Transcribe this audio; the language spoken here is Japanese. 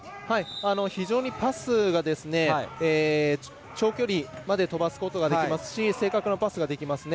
非常にパスが長距離まで飛ばすことができますし正確なパスができますね。